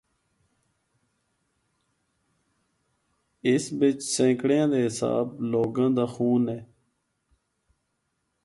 اس بچ سینکڑیاں دے حساب لوگاں دا خون ہے۔